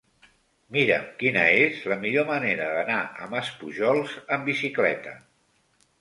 Mira'm quina és la millor manera d'anar a Maspujols amb bicicleta.